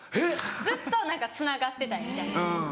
ずっと何かつながってたいみたいな。